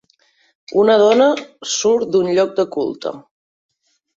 Una dona surt d'un lloc de culte.